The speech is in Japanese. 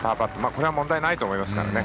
これは問題ないと思いますね。